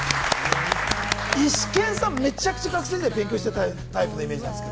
イシケンさん、めちゃくちゃ学生時代勉強してたタイプのイメージです。